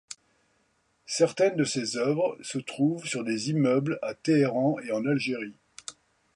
Certaines de ses œuvres se trouvent sur des immeubles à Téhéran et en Algérie.